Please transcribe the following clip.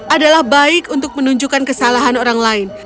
adalah baik untuk menunjukkan kesalahan orang lain